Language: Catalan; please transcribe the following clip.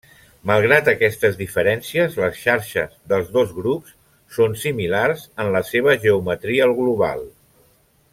Malgrat aquestes diferències, les xarxes dels dos grups són similars en la seva geometria global.